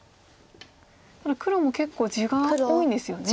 ただ黒も結構地が多いんですよね。